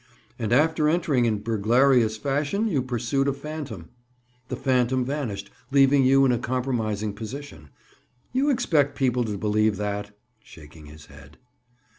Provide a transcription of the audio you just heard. "And after entering in burglarious fashion you pursued a phantom. The phantom vanished, leaving you in a compromising position. You expect people to believe that?" Shaking his head.